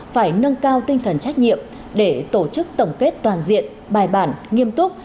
phải nâng cao tinh thần trách nhiệm để tổ chức tổng kết toàn diện bài bản nghiêm túc